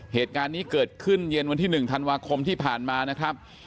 เหตุการณ์นี้เกิดขึ้นเย็นวันที่๑ธันวาคมที่ผ่านมานะครับ